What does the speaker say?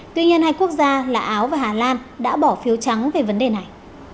tuy nhiên hai quốc gia là áo và hà lan đã bỏ phiếu trắng về vấn đề này